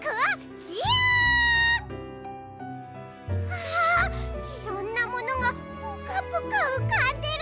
ああいろんなものがプカプカうかんでる。